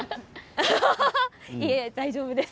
いえいえ大丈夫です。